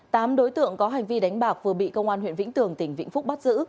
tám đối tượng có hành vi đánh bạc vừa bị công an huyện vĩnh tường tỉnh vĩnh phúc bắt giữ